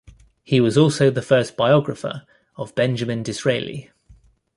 He was also the first biographer of Benjamin Disraeli.